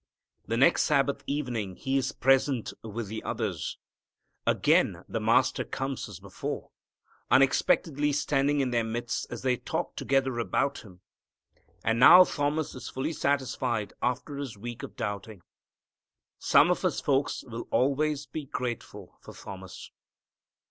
The next Sabbath evening he is present with the others. Again the Master comes as before, unexpectedly standing in their midst, as they talk together about Him. And now Thomas is fully satisfied after his week of doubting. Some of us folks will always be grateful for Thomas.